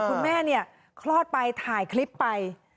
คุณแม่เนี่ยคลอดไปถ่ายคลิปไป